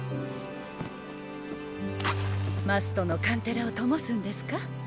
マストのカンテラをともすんですか？